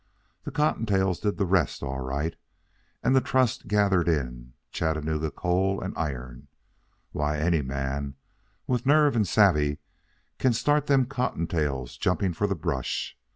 The cottontails did the rest all right, and the trust gathered in Chattanooga Coal and Iron. Why, any man, with nerve and savvee, can start them cottontails jumping for the brush.